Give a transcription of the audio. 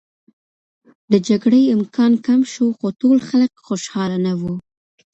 د جګړې امکان کم شو، خو ټول خلک خوشحاله نه و.